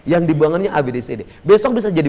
yang dibuangannya abdcd besok bisa jadi